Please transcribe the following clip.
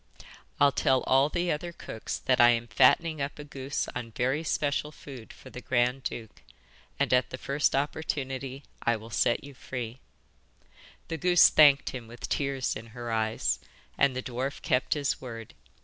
I'll tell all the other cooks that I am fattening up a goose on very special food for the grand duke, and at the first good opportunity I will set you free.' The goose thanked him with tears in her eyes, and the dwarf kept his word.